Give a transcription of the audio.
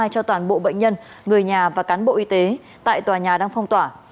cho toàn bộ bệnh nhân người nhà và cán bộ y tế tại tòa nhà đang phong tỏa